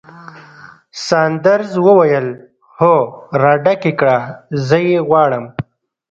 ساندرز وویل: هو، راډک یې کړه، زه یې غواړم.